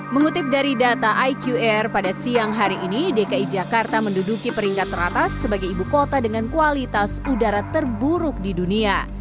mengutip dari data iqr pada siang hari ini dki jakarta menduduki peringkat teratas sebagai ibu kota dengan kualitas udara terburuk di dunia